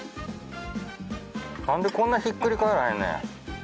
何でこんなひっくり返らへんねん。